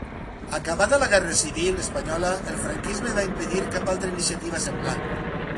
Acabada la guerra civil espanyola, el franquisme va impedir cap altra iniciativa semblant.